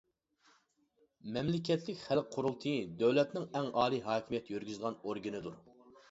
مەملىكەتلىك خەلق قۇرۇلتىيى دۆلەتنىڭ ئەڭ ئالىي ھاكىمىيەت يۈرگۈزىدىغان ئورگىنىدۇر.